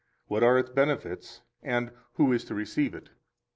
What are its benefits? and, Who is to receive it?